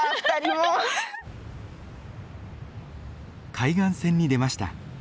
海岸線に出ました。